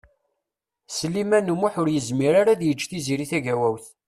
Sliman U Muḥ ur yezmir ara ad yeǧǧ Tiziri Tagawawt.